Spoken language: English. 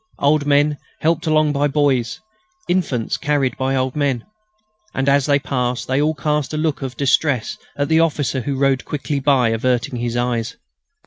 Old men helped along by boys; infants carried by old men. And as they passed they all cast a look of distress at the officer who rode quickly by, averting his eyes.